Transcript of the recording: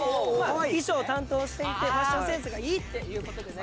衣装を担当していてファッションセンスがいいっていう事ですね。